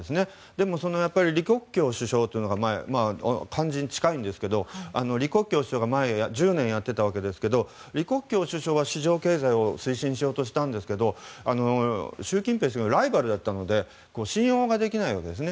でも李克強首相というのがその感じに近いんですけど李克強首相は前に１０年やっていましたが市場経済を推進しようとしたものの習近平氏のライバルだったので信用ができないわけですね。